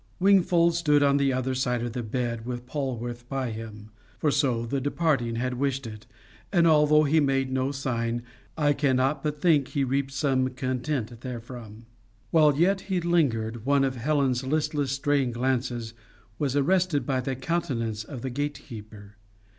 Wingfold stood on the other side of the bed, with Polwarth by him, for so had the departing wished it, and although he made no sign, I cannot but think he reaped some content therefrom. While yet he lingered, one of Helen's listless, straying glances was arrested by the countenance of the gate keeper.